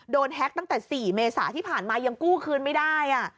แฮ็กตั้งแต่๔เมษาที่ผ่านมายังกู้คืนไม่ได้